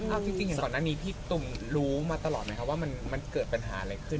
อ้าวจริงอย่างก่อนหน้านี้พี่ตุ้มรู้มาตลอดไหมคะว่ามันเกิดปัญหาอะไร